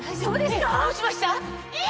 どうしました？